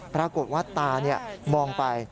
ปรากฏว่าตามองไป